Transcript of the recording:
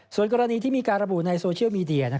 ส่วนกรณีที่มีการระบุในโซเชียลมีเดีย